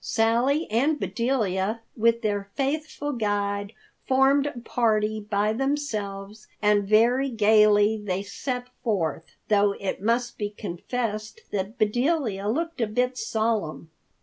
Sally and Bedelia, with their faithful guide, formed a party by themselves and very gaily they set forth, though it must be confessed that Bedelia looked a bit solemn.